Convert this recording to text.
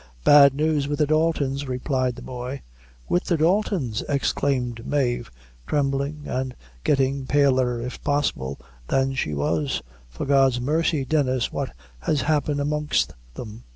"Bad news with the Daltons," replied the boy. "With the Daltons!" exclaimed Mave, trembling, and getting paler, if possible, than she was; "for God's mercy, Dennis, what has happened amongst them?"